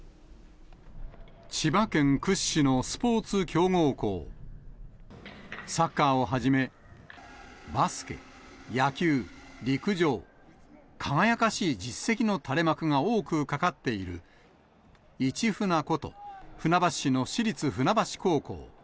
千葉県屈指のスポーツ強豪校、サッカーをはじめ、バスケ、野球、陸上、輝かしい実績の垂れ幕が多くかかっているイチフナこと、船橋市の市立船橋高校。